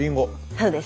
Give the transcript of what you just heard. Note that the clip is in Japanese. そうです。